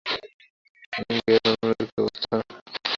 চাংগুই এবং অন্যদের কী অবস্থা?